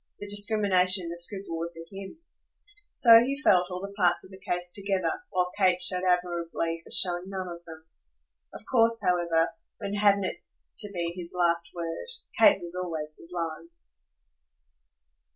The discrimination and the scruple were for HIM. So he felt all the parts of the case together, while Kate showed admirably as feeling none of them. Of course, however when hadn't it to be his last word? Kate was always sublime.